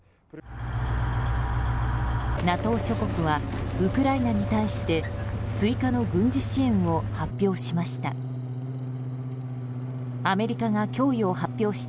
ＮＡＴＯ諸国はウクライナに対して追加の軍事支援を発表しました。